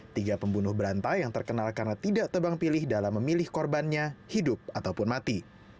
tiga pembunuh berantai yang terkenal karena tidak tebang pilih dalam memilih korbannya hidup ataupun mati